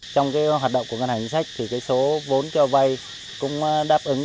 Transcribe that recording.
trong hoạt động của ngân hàng chính sách số vốn cho vay cũng đáp ứng